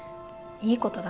いいことだ。